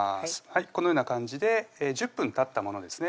このような感じで１０分たったものですね